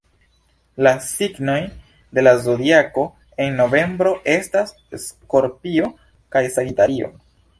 La signoj de la Zodiako en novembro estas Skorpio kaj Sagitario.